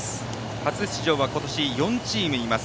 初出場は今年４チームいます。